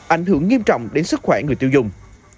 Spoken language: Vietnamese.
ảnh hưởng nghiêm trọng đến sức khỏe người tiêu dùng